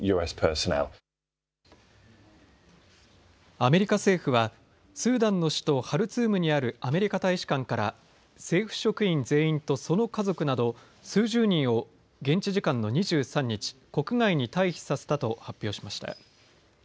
アメリカ政府はスーダンの首都ハルツームにあるアメリカ大使館から政府職員全員とその家族など数十人を現地時間の２３日国外に退避させたと発表しました。